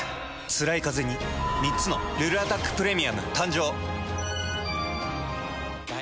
つらいカゼに３つの「ルルアタックプレミアム」誕生。